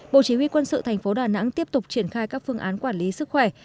bộ chỉ huy quân sự tp đà nẵng tiếp tục triển khai các phương án quản lý sức khỏe